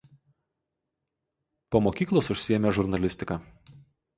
Po mokyklos užsiėmė žurnalistika.